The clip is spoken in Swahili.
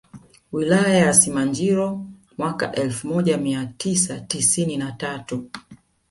Wilaya ya Simanjiro mwaka elfu moja mia tisa tisini na tatu